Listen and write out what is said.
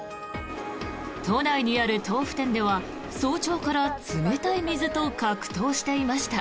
都内にある豆腐店では早朝から冷たい水と格闘していました。